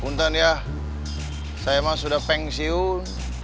buntan ya saya mah sudah pensiun